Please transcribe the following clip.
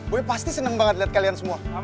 boy pasti seneng banget lihat kalian semua